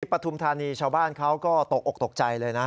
ปฐุมธานีชาวบ้านเขาก็ตกออกตกใจเลยนะ